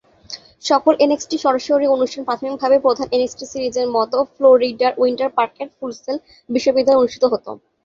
সকল এনএক্সটির সরাসরি অনুষ্ঠান প্রাথমিকভাবে প্রধান এনএক্সটি সিরিজের মতো ফ্লোরিডার উইন্টার পার্কের ফুল সেল বিশ্ববিদ্যালয়ে অনুষ্ঠিত হতো।